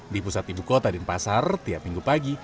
di pusat ibu kota dan pasar tiap minggu pagi